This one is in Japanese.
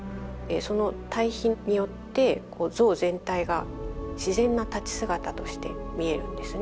その対比によって像全体が自然な立ち姿として見えるんですね。